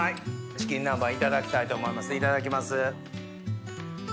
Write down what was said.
チキン南蛮いただきたいと思いますいただきます。